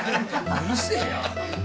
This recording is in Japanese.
うるせえよ。